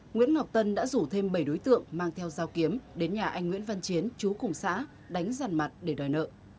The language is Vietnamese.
nguyễn ngọc tân đã rủ thêm bảy đối tượng mang theo dao kiếm đến nhà anh nguyễn văn chiến chú cùng xã đánh giàn mặt để đòi nợ